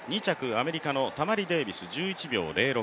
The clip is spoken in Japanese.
アメリカのタマリ・デービス、１０秒０６。